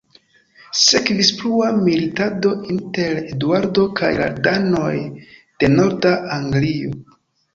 Sekvis plua militado inter Eduardo kaj la danoj de norda Anglio.